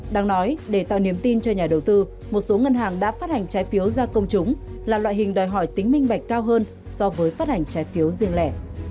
đáng nói để tạo niềm tin cho nhà đầu tư một số ngân hàng đã phát hành trái phiếu ra công chúng là loại hình đòi hỏi tính minh bạch cao hơn so với phát hành trái phiếu riêng lẻ